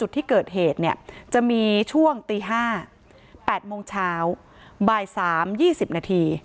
จุดที่เกิดเหตุเนี่ยจะมีช่วงตี๕๘โมงเช้าบ่าย๓๒๐นาที